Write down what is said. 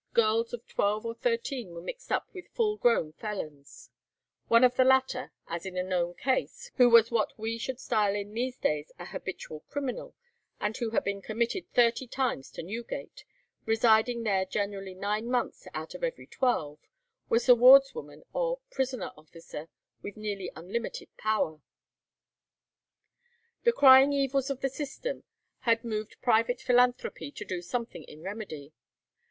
Girls of twelve or thirteen were mixed up with the full grown felons; one of the latter, as in a known case, who was what we should style in these days an habitual criminal, and who had been committed thirty times to Newgate, residing there generally nine months out of every twelve, was the wardswoman or prisoner officer, with nearly unlimited power. The crying evils of the system had moved private philanthropy to do something in remedy.